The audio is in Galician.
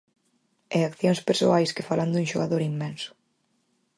E accións persoais que falan dun xogador inmenso.